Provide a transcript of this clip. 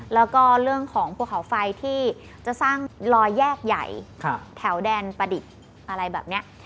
แล้วก็เรื่องของภูเขาไฟที่จะสร้างรอยแยกใหญ่แถวแดนประดิษฐ์อะไรแบบนี้